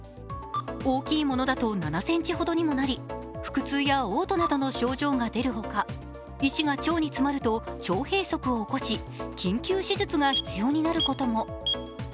大きいものだと７ｃｍほどにもなり腹痛やおう吐などの症状が出るほか、石が腸に詰まると腸閉塞を起こし、緊急手術が必要になることも。